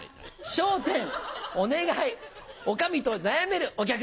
「笑点お願い女将と悩めるお客」。